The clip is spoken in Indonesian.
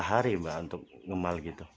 berapa hari mbak untuk gemar gitu